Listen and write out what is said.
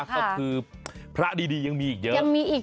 ก็คือพระดียังมีอีกเยอะ